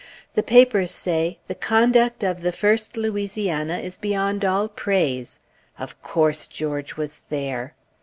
The papers say "the conduct of the First Louisiana is beyond all praise"; of course, George was there!